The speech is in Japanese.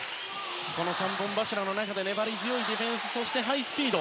この三本柱の中で粘り強いディフェンスそして、ハイスピード。